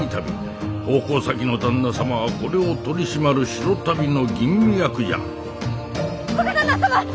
奉公先の旦那様はこれを取り締まる白足袋の吟味役じゃ若旦那様！